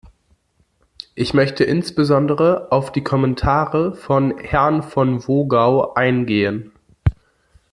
Ich möchte insbesondere auf die Kommentare von Herrn von Wogau eingehen.